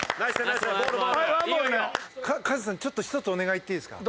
松岡：カズさん、ちょっと１つ、お願い言っていいですか？